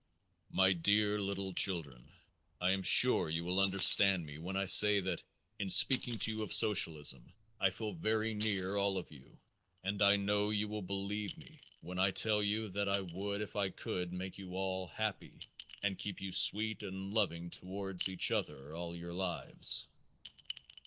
My dear little children, I am sure you will understand me when I say that in speaking to you of socialism I feel very near to all of you and I know you will believe me when I tell you that I would if I could make you all happy and keep you sweet and loving toward each other all your lives.